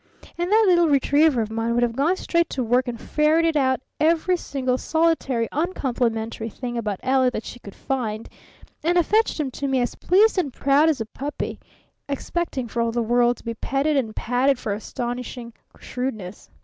And that little retriever of mine would have gone straight to work and ferreted out every single, solitary, uncomplimentary thing about Ella that she could find, and 'a' fetched 'em to me as pleased and proud as a puppy, expecting, for all the world, to be petted and patted for her astonishing shrewdness.